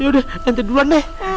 yaudah ente duluan deh